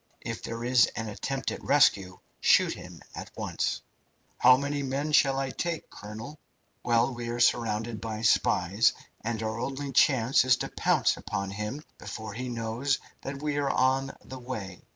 If there is an attempt at rescue, shoot him at once." "How many men shall I take, colonel?" "Well, we are surrounded by spies, and our only chance is to pounce upon him before he knows that we are on the way.